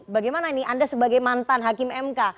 bagaimana ini anda sebagai mantan hakim mk